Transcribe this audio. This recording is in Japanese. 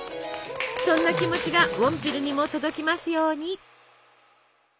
そんな気持ちがウォンピルにも届きますように！